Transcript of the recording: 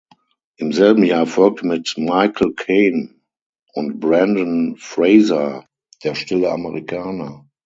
Im selben Jahr folgte mit Michael Caine und Brendan Fraser "Der stille Amerikaner".